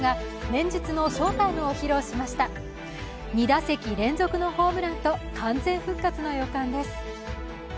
２打席連続のホームランと完全復活の予感です。